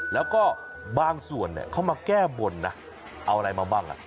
แล้วก็บางส่วนเขามาแก้บนนะเอาอะไรมาบ้างล่ะ